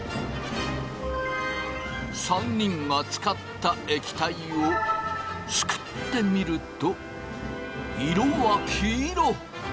３人がつかった液体をすくってみると色は黄色！